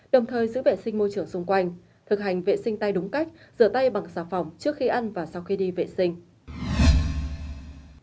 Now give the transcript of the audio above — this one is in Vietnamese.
đồng thời giữ vệ sinh môi trường xung quanh thực hành vệ sinh tay đúng cách rửa tay bằng xà phòng trước khi ăn và sau khi đi vệ sinh